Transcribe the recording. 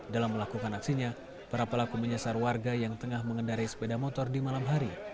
dalam melakukan aksinya para pelaku menyasar warga yang tengah mengendarai sepeda motor di malam hari